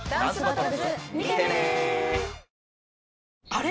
あれ？